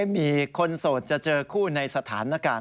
มีคนโสดจะเจอคู่ในสถานการณ์